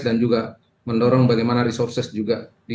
dan juga mendorong bagaimana resources juga diperlindungi